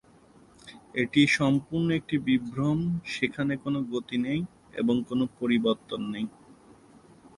এটি সম্পূর্ণ একটি বিভ্রম: সেখানে কোন গতি নেই এবং কোন পরিবর্তন নেই।